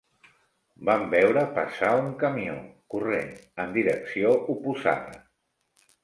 Vam veure passar un camió, corrent, en direcció oposada